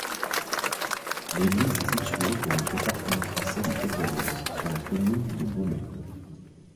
L'église est située dans le département français du Calvados, sur la commune de Beaumais.